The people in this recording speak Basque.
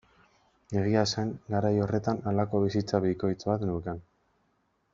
Egia esan garai horretan halako bizitza bikoitz bat neukan.